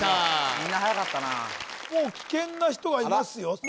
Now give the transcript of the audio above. みんなはやかったなもう危険な人がいますよあら